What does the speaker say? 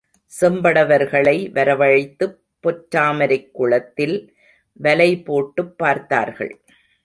செம்படவர்களை வரவழைத்துப் பொற்றாமரைக் குளத்தில் வலைபோட்டுப் பார்த்தார்கள்.